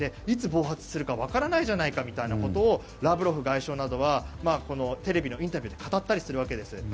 いつ暴発するかわからないじゃないかみたいなことをラブロフ外相などはこのテレビのインタビューで語ったりするわけです。